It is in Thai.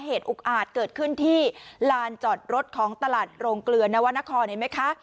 เหตุอุ้กอาจเกิดขึ้นที่ลานจอดรถของตลาดโรงกลือนวันนครเห็นมั้ยคะ